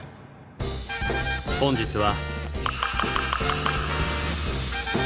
本日は。